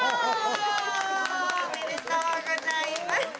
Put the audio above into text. おめでとうございます。